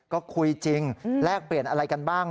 ก็คุยจริงแลกเปลี่ยนอะไรกันบ้าง